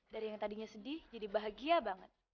dari yang tadinya sedih jadi bahagia banget